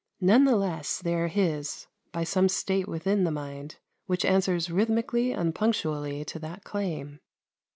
None the less are they his by some state within the mind, which answers rhythmically and punctually to that claim.